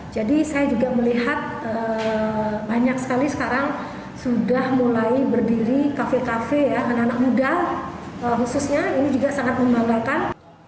jadi saya juga melihat banyak sekali sekarang sudah mulai berdiri kafe kafe ya anak anak muda khususnya ini juga sangat membanggakan